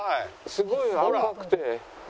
すごい赤くて。